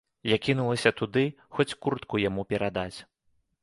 Я кінулася туды, хоць куртку яму перадаць.